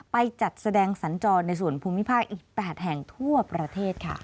จัดแสดงสัญจรในส่วนภูมิภาคอีก๘แห่งทั่วประเทศค่ะ